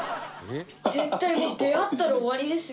絶対もう出会ったら終わりですよ